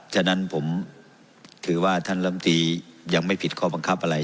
ฉะนั้นผมถือว่าท่านลำตียังไม่ผิดข้อบังคับอะไร